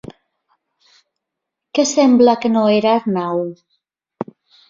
Què sembla que no era Arnau?